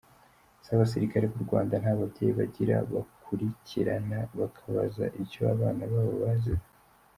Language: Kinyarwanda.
Ese abasirikare b’u Rwanda nta babyeyi bagira bakurikirana bakabaza icyo abana babo bazize?